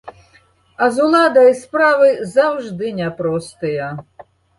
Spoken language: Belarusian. А з уладай справы заўжды няпростыя.